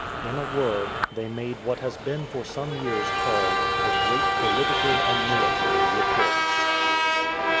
In a word, they made what has been for some years called "the great political and military reports."